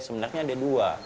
sebenarnya ada dua